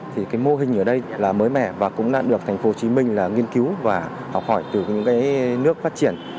thì cái mô hình ở đây là mới mẻ và cũng đã được tp hcm là nghiên cứu và học hỏi từ những cái nước phát triển